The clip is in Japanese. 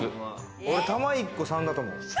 俺玉１個３だと思う。